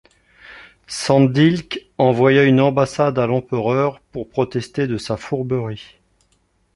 Sandilkh envoya une ambassade à l'empereur pour protester de sa fourberie.